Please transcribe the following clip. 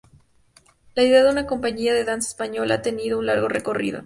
La idea de una compañía de Danza Española ha tenido un largo recorrido.